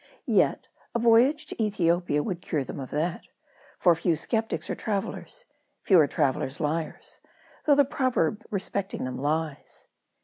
Yet a voyage to Ethiopia would cure them of that ; for few skeptics are travelers : fewer travelers liars, though the proverb respecting them lies.